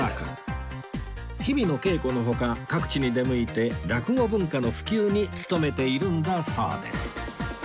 日々の稽古の他各地に出向いて落語文化の普及に務めているんだそうです